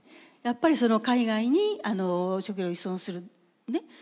やっぱりその海外に食料を依存するね。